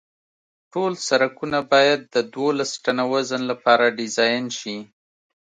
ټول سرکونه باید د دولس ټنه وزن لپاره ډیزاین شي